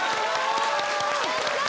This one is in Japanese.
やったー